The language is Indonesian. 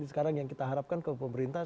sekarang yang kita harapkan ke pemerintah